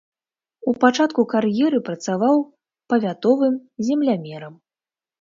У пачатку кар'еры працаваў павятовым землямерам.